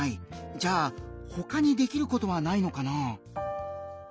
じゃあ他にできることはないのかな？